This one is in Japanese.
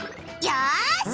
よし！